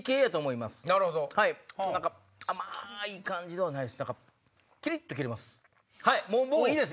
何か甘い感じではないです